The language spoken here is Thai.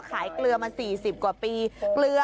ขายมาตั้งสี่สิบกว่าปีแล้ว